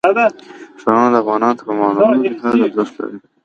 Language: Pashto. ښارونه افغانانو ته په معنوي لحاظ ارزښت لري.